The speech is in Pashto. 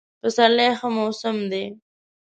پسرلی ښه موسم دی.